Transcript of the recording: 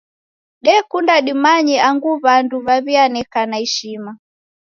Dekunda dimanye angu w'andu w'aw'ianekana ishima.